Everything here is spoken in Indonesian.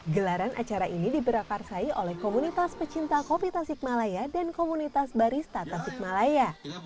gelaran acara ini diberakarsai oleh komunitas pecinta kopi tasikmalaya dan komunitas barista tasikmalaya